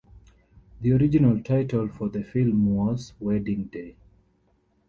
The original title for the film was "Wedding Day".